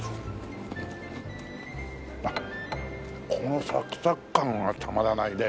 このサクサク感がたまらないね。